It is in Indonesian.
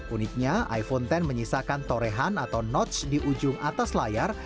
uniknya iphone x menyisakan torehan atau notch di ujung atas layar